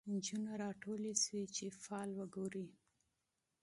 نجونې راټولي شوی چي فال وګوري